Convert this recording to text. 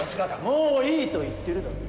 もういいと言ってるだろ！